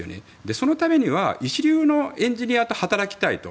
そのためには一流のエンジニアと働きたいと。